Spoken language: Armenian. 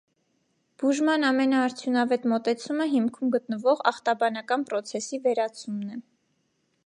Բուժման ամենաարդյունավետ մոտեցումը հիմքում գտնվող ախտաբանական պրոցեսի վերացումն է։